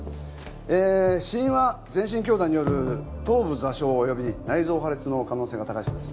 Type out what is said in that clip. えぇ死因は全身強打による頭部挫傷および内臓破裂の可能性が高いそうです。